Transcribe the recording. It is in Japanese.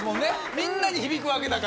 みんなに響くわけだから。